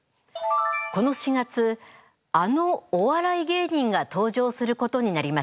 この４月あのお笑い芸人が登場することになりました。